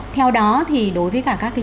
theo đó thì đối với các trường